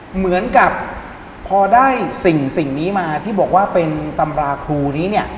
เหมือนกับพอได้สิ่งนี้มาที่บอกว่าเป็นตำราครูนี้เนี่ย